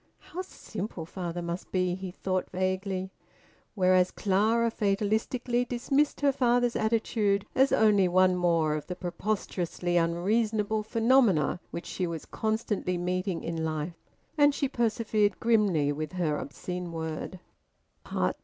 "How simple father must be!" he thought vaguely. Whereas Clara fatalistically dismissed her father's attitude as only one more of the preposterously unreasonable phenomena which she was constantly meeting in life; and she persevered grimly with her obscene word.